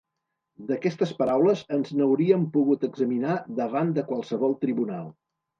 D'aquestes paraules ens n'hauríem pogut examinar davant de qualsevol tribunal.